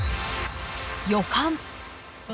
「予感」。